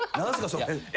それ。